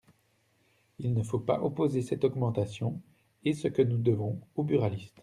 Il ne faut pas opposer cette augmentation et ce que nous devons aux buralistes.